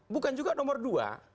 bukan juga nomor dua